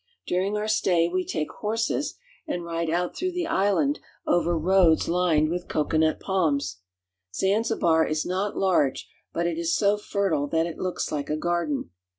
During our stay we take horses, and ride out through Be island over roads lined with cocoanut palms. Zanzibar 264 AFRICA is not large, but it is so fertile that it looks like a garden.